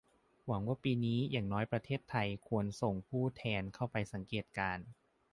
ผมหวังว่าปีนี้อย่างน้อยประเทศไทยควรส่งผู้แทนเข้าไปสังเกตุการณ์